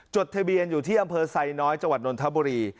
จดทะเบียนอยู่ที่อำเภอไซน้อยจังหวัดนทบุรี